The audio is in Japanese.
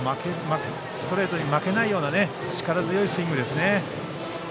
ストレートに負けないような力強いスイングでしたね。